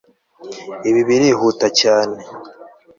Ibi birihuta cyane